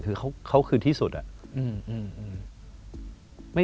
เขาคือที่สุดอะ